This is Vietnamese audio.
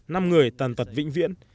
năm người tàn tật vĩnh viễn